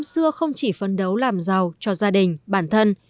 chỉ phân đấu làm giàu cho gia đình bản thân